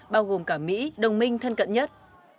bao gồm cả mỹ đồng minh thân cận nhất